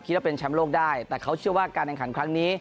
ว่าเป็นแชมป์โลกได้แต่เขาเชื่อว่าการแข่งขันครั้งนี้